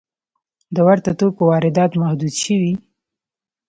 د ورته توکو واردات محدود شوي؟